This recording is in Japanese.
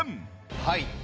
はい。